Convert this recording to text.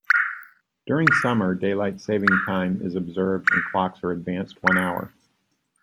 During summer daylight saving time is observed and clocks are advanced one hour.